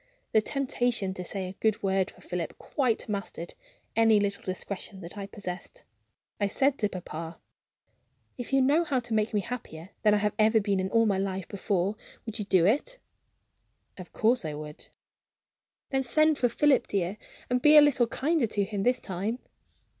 The temptation to say a good word for Philip quite mastered any little discretion that I possessed. I said to papa: "If you knew how to make me happier than I have ever been in all my life before, would you do it?" "Of course I would." "Then send for Philip, dear, and be a little kinder to him, this time."